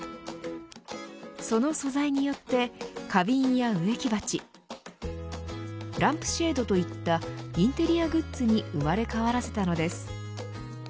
その素材によって花瓶や植木鉢ランプシェードといったインテリアグッズに生まれ変わらせたのです。